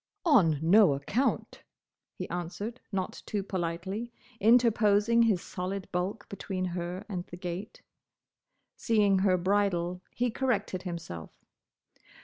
"On no account!" he answered, not too politely, interposing his solid bulk between her and the gate. Seeing her bridle, he corrected himself.